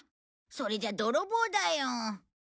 それじゃ泥棒だよ。